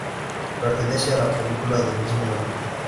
Pertenece a la película del mismo nombre.